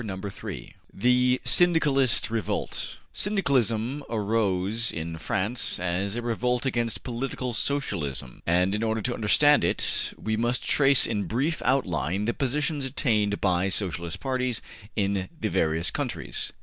CHAPTER III THE SYNDICALIST REVOLT SYNDICALISM arose in France as a revolt against political Socialism, and in order to understand it we must trace in brief outline the positions attained by Socialist parties in the various countries.